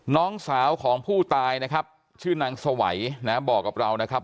น้องสาวของผู้ตายนะครับชื่อนางสวัยนะบอกกับเรานะครับ